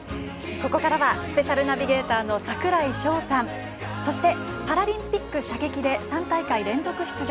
ここからはスペシャルナビゲーターの櫻井翔さんそしてパラリンピック射撃で３大会連続出場